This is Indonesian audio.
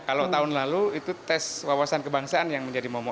kalau tahun lalu itu tes wawasan kebangsaan yang menjadi momok